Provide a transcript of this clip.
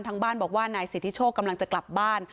บ้านบอกว่านายสิทธิโชคกำลังจะกลับบ้าน